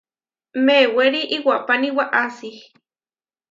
Mewéri iwapáni waʼási.